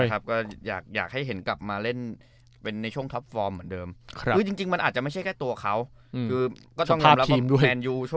แต่ก็ยังคงเอาใจช่วยอยู่